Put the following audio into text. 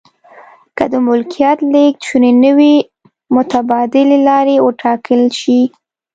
که د ملکیت لیږد شونی نه وي متبادلې لارې و ټاکل شي.